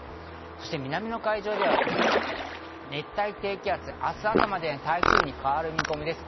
そして南の海上では熱帯低気圧、明日朝までに台風に変わる見込みです。